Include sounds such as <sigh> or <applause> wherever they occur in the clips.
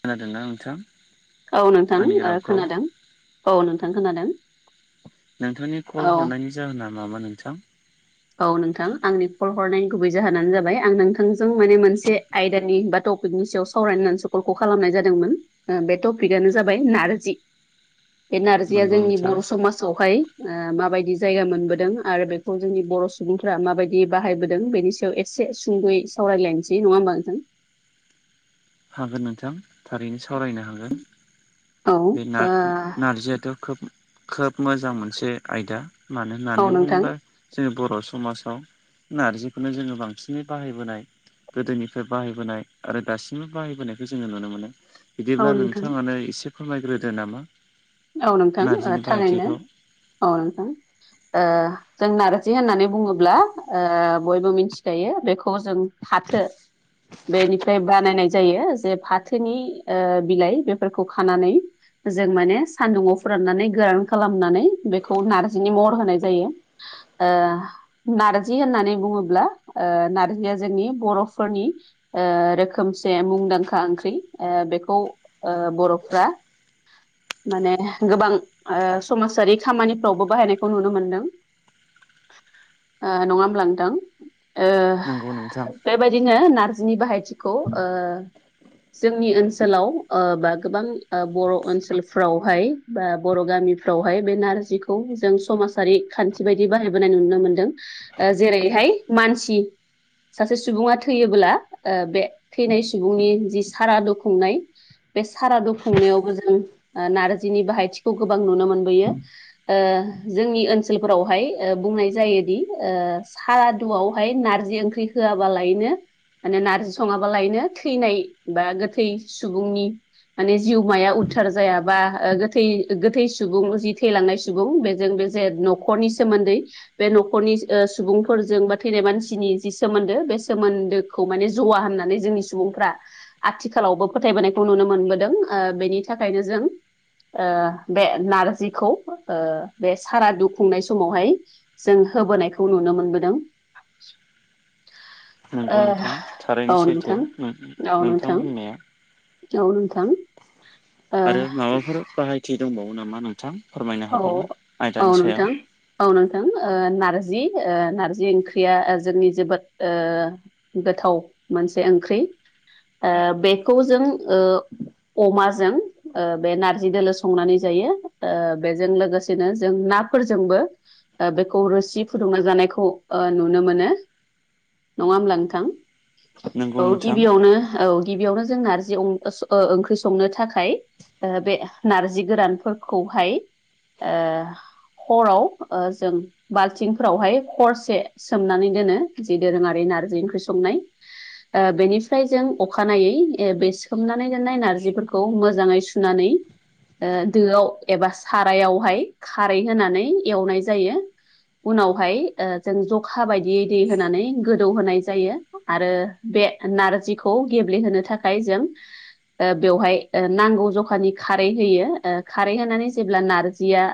खोनादोंना नोंथां? औ नोंथां आंनि ओ रावखौ खोनादों। औ नोंथां खोनादों। नोंथांनि औ कल हरनायनि जाहोना मामोन नोंथां? औ नोंथां आंनि कल हरनायनि गुबै जाहोनानो जाबाय आं नोंथांजों माने मोनसे आयदानि बा टपिकनि सायाव सावरायनो होननानैसो कलखौ खालामनाय जादोंमोन। ओ बे टपिकआनो जाबाय नारजि। बे नारजिया नंगौ जोंनि नोंथां बर' समाजावहाय ओ माबायदि जायगा मोनबोदों? आरो बेखौ जोंनि बर' सुबुंफ्रा माबायदि बाहायबोदों? बेनि सायाव एसे सुंद'यै सावरायलायनोसै नङा होमबा नोंथां? हागोन नोंथां थारैनो सावरायनो हागोन। औ बे नार-नारजियाथ' खोब-खोब मोजां मोनसे आयदा। मानो ओ नानै औ नोंथां बुंबा जोङो बर' समाजाव नारजिखौनो जोङो बांसिनै बाहायबोनाय गोदोनिफ्राय बाहायबोनाय आरो दासि बो बाहायबोनायखौ जोङो नुनो मोनो औ बिदिब्ला नोंथां नोंथाङानो इसे फोरमायग्रोदो नामा? औ नोंथां ओ नारजिनि थारैनो बाहायथिखौ औ नोंथां ओ जों नारजि होननानै बुङोब्ला ओ बयबो मिनथिखायो बेखौ जों फाथो बेनिफ्राय बानायनाय जायो जे फाथोनि ओ बिलाइ बेफोरखौ खानानै जों माने स सान्दुंङाव फोराननानै गोरान खालामनानै बेखौ नारजिनि महर होनाय जायो। ओ। नारजि होननानै बुङोब्ला, ओ नारजिया जोंनि बर'फोरनि ओ रोखोमसे मुंदांखा ओंख्रि। ओ बेखौ ओ बर'फ्रा माने गोबां ओ समाजारि खामानिफ्रावबो बाहायनायखौ नुनो मोनदों। ओ नङा ओमब्ला नोंथां ओ बुं नोंथां। बेबायदिनो नारजिनि बाहायथिखौ ओ जोंनि ओनसोलाव ओ बा गोबां ओ बर' ओनसोल फोरावहाय बा बर' गामिफ्रावहाय बे नारजिखौ जों समाजारि खान्थि बायदि बाहायबोनाय नुनो मोनदों। ओ जेरैहाय मानसि सासे सुबुङा थैयोब्ला, ओ बे थैनाय सुबुंनि जि सारादु खुंनाय बे सारादु खुंनायावबो जों ओ नारजिनि बाहायथिखौ गोबां नुनो मोनबोयो। ओ जोंनि ओनसोलफोरावहाय ओ बुंनाय जायोदि ओ सादुआवहाय नारजि ओंख्रि होआबालायनो माने नारजि सङाबालायनो थैनाय बा गोथै सुबुंनि माने जिउमाया उदधार जाया। बा ओ गोथै गोथै सुबुं जि थैलांनाय सुबुं बेजों बे जे न'खरनि सोमोन्दै बे न'खरनि ओ सुबुंफोरजों बा थैनाय मानसिनि जि सोमोन्दो बे सोमोन्दो खौ माने जवा होननानै जोंनि सुबुंफ्रा आथिखालावबो फोथायबोनायखौ नुनो मोनबोदों। ओ बेनि थाखायनो जों ओ बे नारजिखौ ओ बे सारादु खुंनाय समावहाय जों होबोनायखौ नुनो मोनबोदों। ओ नंगौ नोंथां थारैनो औ सैथो, नोंथां नोंथां बुंनाया। औ नोंथां आरो ओ माबाफोर बाहायथि दंबावो नामा नोंथां फोरमायनो औ हाबावगो औ आयदानि सायाव नोंथां औ नोंथां ओ नारजि ओ नारजि ओंख्रिया जोंनि जोबोद ओ गोथाव मोनसे ओंख्रि ओ बेखौ जों ओ अमाजों ओ बे नारजि दोलो संनानै जायो ओ बेजों लोगोसेनो जों नाफोरजोंबो ओ बेखौ रोसि फुदुंना जानायखौ ओ नुनो मोनो नङा होमब्ला नोंथां नंगौ औ नोंथां गिबियावनो औ गिबियावनो जों नारजि ओ ओंख्रि संनो थाखाय ओ बे नारजि गोरानफोरखौहाय ओ हराव ओ जों बाल्थिंफोरावहाय हरसे सोमनानै दोनो जि दोरोङारि नारजि ओंख्रि संनाय ओ बेनिफ्राय जों अखानायै बे सोमनानै दोननाय नारजिफोरखौ मोजाङै सु सुनानै ओ दोआव एबा सारायावहाय खारै होनानै एवनाय जायो। उनावहाय ओ जों जखा बायदियै दै होनानै गोदौ होनाय जायो। आरो बे नारजिखौ गेब्लेहोनो थाखाय जों ओ बेवहाय ओ नांगौ जखानि खारै होयो ओ खारै होनानै जेब्ला नारजिया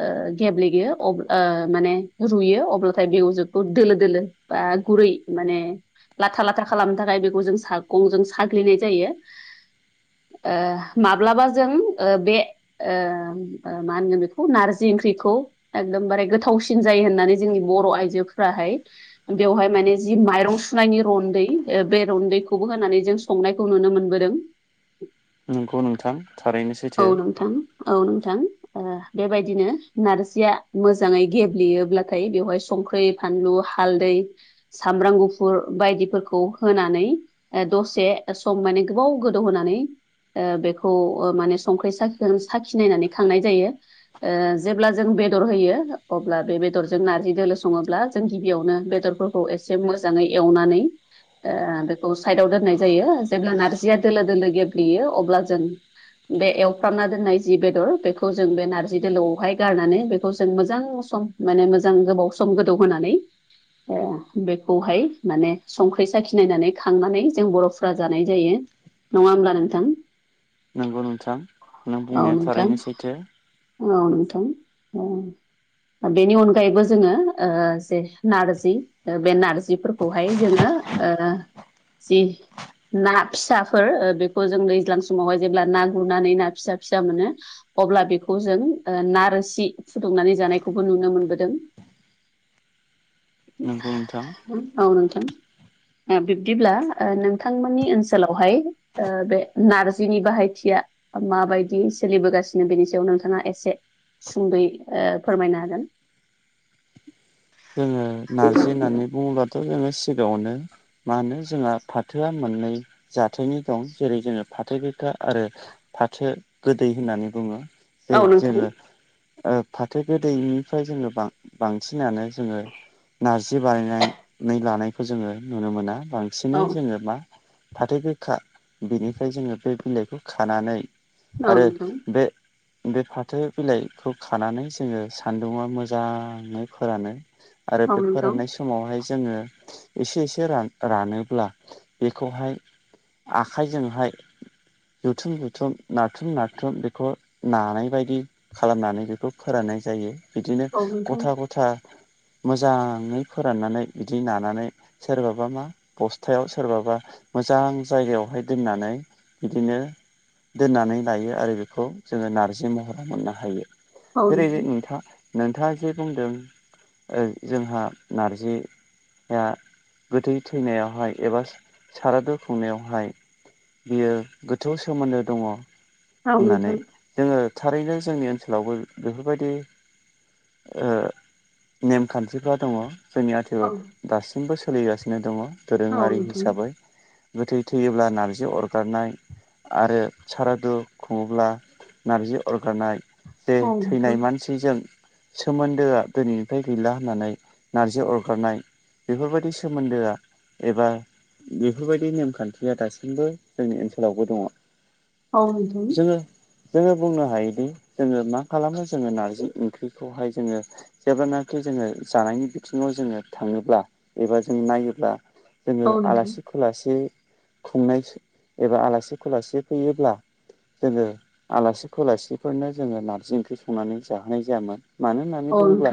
ओ गेब्लेयो अ माने रुयो अब्लाथाय बेवजोखौ दोलो दोलो बा गुरै माने लाथा लाथा लाथ्रा खालामनो थाखाय बेखौ जों सागंजों साग्लिनाय जायो। ओ माब्लाबा जों ओ बे ओ ओ मा होनगोन बेखौ नारजि ओंख्रिखौ एकदमबारे गोथावसिन जायो होननानै जोंनि बर' आइजोफ्राहाय बेवहाय माने जि माइरं सुनायनि रन्दै बे रन्दैखौबो होनानै जों संनायखौ नुनो मोनबोदों नंगौ नोंथां थारैनो औ सैथो नोंथां औ नोंथां ओ बेबायदिनो नारजिया मोजाङै गेब्लेयोब्लाथाय बेवहाय संख्रै फानलु हालदै सामब्राम गुफुर बायदिफोरखौ होनानै ओ दसे सम माने गोबाव गोदौ होनानै ओ बेखौ माने संख्रै साखिगोन साखि नायनानै खांनाय जायो। ओ जेब्ला जों बेदर होयो अब्ला बे बेदरजों नारजि दोलो सङोब्ला जों गिबियावनो बेदरफोरखौ खौ एसे मोजाङै एवनानै ओ बेखौ साइडआव दोननाय जायो जेब्ला नारजिया दोलो दोलो गेब्लेयो अब्ला जों बे एवफ्रांना दोननाय जि बेदर बेखौ जों बे नारजि दोलोआवहाय गारनानै बेखौ जों मोजां सम माने मोजां गोबाव सम गोदौ होनानै ओ बेखौहाय माने संख्रि साखिनायनानै खांनानै जों बर'फ्रा जानाय जायो। नङा ओमब्ला नोंथां। नंगौ नोंथां नों औ बुंनाया नोंथां थारैनो सैथो औ नोंथां औ बेनि अनगायैबो जोङो ओ जे नारजि ओ बे नारजिफोरखौहाय जोङो ओ जि ना फिसाफोर बेखौ जों दैज्लां समावहाय जेब्ला ना गुरनानै ना फिसा फिसा मोनो अब्ला बेखौ जों ओ ना रोसि फुदुंनानै जानायखौबो नुनो मोनबोदों <inaudible> नोंगौ नोंथां औ नोंथां ओ बिब्दिब्ला ओ नोंथांमोननि ओनसोलावहाय ओ बे नारजिनि बाहायथिया माबायदि सोलिबोगासिनो बेनि सायाव नोंथाङा एसे सुंद'यै ओ फोरमायना होगोन जोङो नारजि होननानै बुङोबाथ' जोङो सिगाङावनो मा होनो जोंहा फाथोआ मोननै जाथोनि दं जेरै जोङो फाथो गोखा आरो फाथो गोदै होननानै बुङो जै हागोन जोङो ओ फाथो गोदैनिफ्राय जोङो बां बांसिनानो जोङो नारजि बानायनानै लानायखौ जोङो नुनो मोना बांसिनै औ जोङो मा फाथो गोखा बिनिफ्राय जोङो बै बिलाइखौ खानानै आरो नोंथां बे बे फाथो बिलाइखौ खानानै जोङो सानदुंङाव मोजाङै फोरानो आरो औ बे नोंथां फोराननाय समावहाय जोङो इसे इसे रा रानोब्ला बेखौहाय आखाइजोंहाय जुथुम जुथुम नारथुम नारथुम बेखौ नानायबायदि खालामनानै बेखौ फोराननाय जायो बिदिनो औ नोंथां ग'था ग'था मोजाङै फोराननानै बिदि नानानै सोरबाबा मा बस्थायाव सोरबाबा मोजां जायगायावहाय दोननानै बिदिनो दोननानै लायो आरो बेखौ जोङो नारजि महर मोननो हायो औ जेरै नोंथां नोंथा नोंथाङा जे बुंदों ओ जोंहा नारजि ओ गोथै थैनायावहाय एबा सारादु खुंनायावहाय बियो गोथौ सोमोन्दो दङ' औ होननानै नोंथां जोङो थारैनो जोंनि ओनसोलावबो बेफोरबायदि ओ नेमखान्थिफ्रा दङ' जोंनि औ नोंथां औ आथिखालाव दासिमबो सोलिगासिनो दङ' औ दोरोङारि नोंथां हिसाबै गोथै थैयोब्ला नारजि अरगारनाय आरो सारादु खुङोब्ला नारजि अरगारनाय जे औ नोंथां थैनाय मानसिजों सोमोन्दोआ दिनै थाय गैला होननानै नारजि अरगारनाय बेफोरबायदि सोमोन्दोआ एबा बेफोरबायदि नेमखान्थिया दासिमबो जोंनि ओनसोलावबो दङ' औ नोंथां जोङो जोङो बुंनो हायोदि जोङो मा खालामो जोङो नारजि ओंख्रिखौहाय जोङो जेब्लानाखि जोङो जानायनि बिथिङाव जोङो थाङोब्ला एबा जों नायोब्ला जोङो औ नोंथां आलासि खुलासि खुंनाय एबा आलासि खुलासि फैयोब्ला जोङो आलासि फोलासिफोरनो जोङो नार्जि ओंख्रि संनानै जाहोनाय जायामोन मानो होननानै औ बुङोब्ला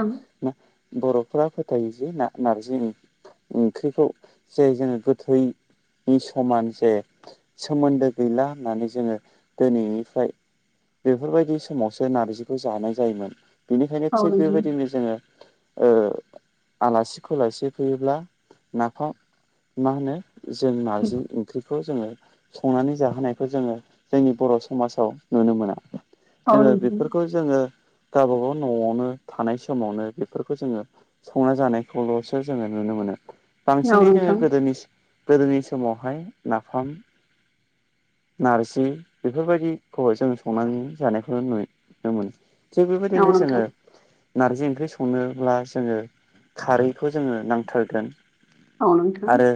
बर'फोरा फोथायो जे ना नारजि ओंख्रिखौ जे जोङो गोथैनि समान जे सोमोन्दो गैला होननानै जोङो दोनैनिफ्राय बेफोरबायदि समावसो नारजिखौ जानाय जायोमोन बेनिखायनो थिग नोंथां बेबायदिनो जोङो ओ आलासि खलासि फैयोब्ला नाफाम मा होनो जों नारजि ओंख्रिखौ जोङो संनानै जाहोनायखौ जोङो जोंनि बर' समाजाव नुनो मोना औ जोङो नोंथां बेफोरखौ जोङो गावबा गाव न'आवनो थानायसि समावनो बेफोरखौ जोङो संना जानायखौल'सो जोङो नुनो मोनो औ बांसिनै जोङो नोंथां गोदोनि गोदोनि समावहाय नाफाम नारजि बेफोरबायदिखौ जों संनानै जानायखौनो नुनो मोनो थिग औ बेबायदिनो नोंथां जोङो नारजि ओंख्रि संनोब्ला जोङो खारैखौ जोङो नांथारगोन औ नोंथां आरो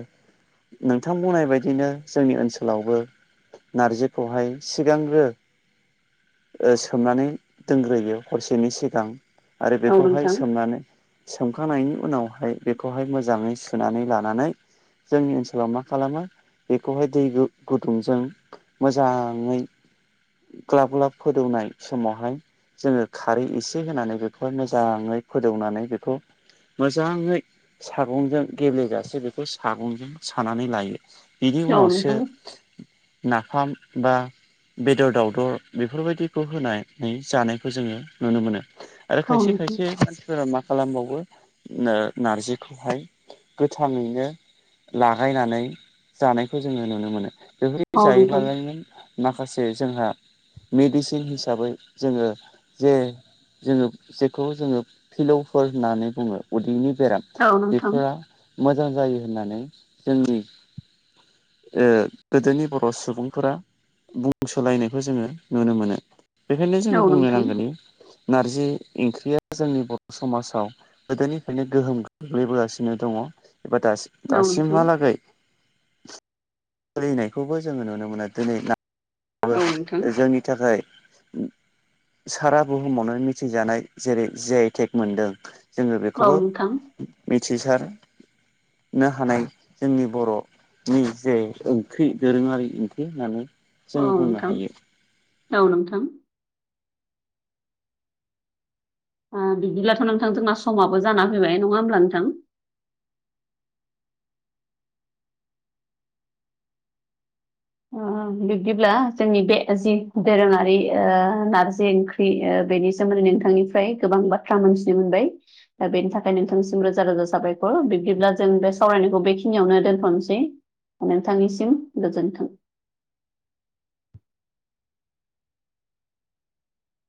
नोंथां बुंनाय बायदिनो जोंनि ओनसोलावबो नारजिखौहाय सिगांग्रो सोमनानै दोनग्रोयो हरसेनि सिगां आरो औ बेखौहाय सोमनानै सोमखांनायनि उनावहाय बेखौहाय मोजाङै सुनानै लानानै जोंनि ओनसोलाव मा खालामो बेखौहाय दै गुदुंजों मोजाङै ग्लाब ग्लाब फोदौनाय समावहाय जोङो खारै एसे होनानैबो मोजाङै फोदौनानै बेखौ मोजाङै सागंजों गेब्लेजासे बेखौ सागंजों सानानै लायो बिनि उनावसो नोंथां नाफाम बा बेदर दावदर बेफोरबायदिखौ होनानै जानायखौ जोङो नुनो मोनो आरो औ खायसे नोंथां खायसे सोर मा खालामबावो नारजिखौहाय गोथाङैनो लागायनानै जानायखौ जोङो नुनो मोनो बेफोरदि औ नोंथां जायोब्लालायनो माखासे जोंहा मेडिसिन हिसाबै जोङो जे जोङो जेखौ जोङो फिलौफोर होननानै बुङो उदैनि बेराम औ नोंथां बेफोरा मोजां जायो होननानै जोंनि ओ गोदोनि बर' सुबुंफोरा बुंसोलायनायखौ जोङो नुनो मोनो बेखायनो औ जोङो बुंनो नोंथां नांगोननि नारजि ओंख्रिया जोंनि बर' समाजाव गोदोनिफ्रायनो गोहोम गोग्लैबोगासिनो दङ एबा औ नोंथां औ नोंथां दासिमहालागै सोलिनायखौबो जोङो नुनो मोनो दिनै औ नोंथां औ नोंथां औ नोंथां जोंनि थाखाय सारा बुहुमावनो मिथिजानाय जेरै जि आइ टेक मोनदों जोङो औ बेखौबो मिथिसारनो हानाय जोंनि बर' नि जे ओंख्रि दोरोङारि ओंख्रै होननानै औ जोङो बुंनो नोंथां हायो औ नोंथां बिदिब्लाथ' नोंथां जोंना समाबो जाना फैबाय नङा होमब्ला नोंथां बिदिब्ला जोंनि बे जि दोरोङारि नारजि बेनि सोमोन्दै नोंथांनिफ्राय गोबां बाथ्रा मोनथिनो मोनबाय दा बेनि थाखाय नोंथांसिम रोजा रोजा साबायखर बिब्दिब्ला जों बे सावरायनायखौ बेखिनियावनो दोनथ'नोसै नोंथांनिसिम गोजोन्थों